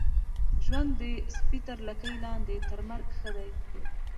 ژوند د سپي تر لکۍ لاندي ، تر مرګ ښه دی.